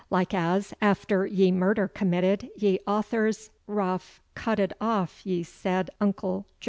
Likeas, after ye murder committed, ye authors yrof cutted off ye said umqll Jo.